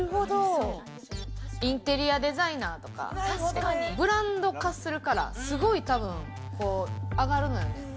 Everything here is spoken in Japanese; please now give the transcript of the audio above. インテリアデザイナーとか、ブランド化するから、すごい多分、上がるのよね。